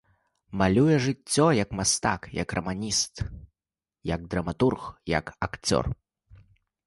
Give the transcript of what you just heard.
Малюе жыццё, як мастак, як раманіст, як драматург, як акцёр.